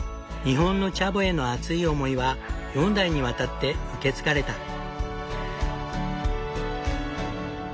日本のチャボへの熱い思いは４代にわたって受け継がれた。